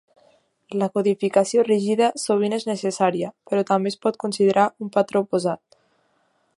La codificació rígida sovint és necessària, però també es pot considerar un patró oposat.